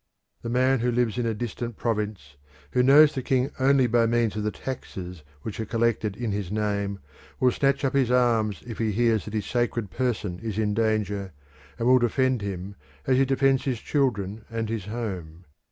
The man who lives in a distant province, who knows the king only by means of the taxes which are collected in his name, will snatch up his arms if he hears that his sacred person is in danger, and will defend him as he defends his children and his home.